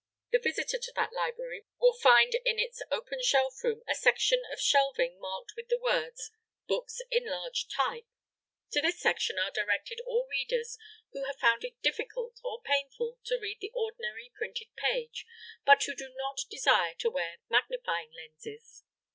The visitor to that library will find in its Open Shelf Room a section of shelving marked with the words "Books in large type." To this section are directed all readers who have found it difficult or painful to read the ordinary printed page but who do not desire to wear magnifying lenses.